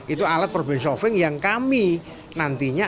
itu alat problem solving yang kami nantinya